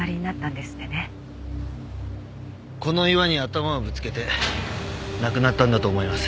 この岩に頭をぶつけて亡くなったんだと思います。